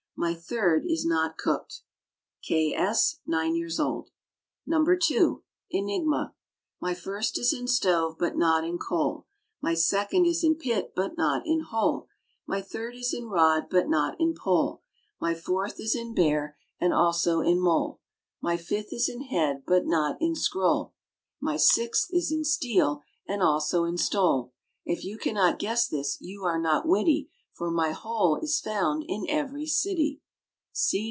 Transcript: My third is not cooked. K. S. (nine years old). No. 2. ENIGMA. My first is in stove, but not in coal. My second is in pit, but not in hole. My third is in rod, but not in pole. My fourth is in bear, and also in mole. My fifth is in head, but not in scroll. My sixth is in steal, and also in stole. If you can not guess this, you are not witty, For my whole is found in every city.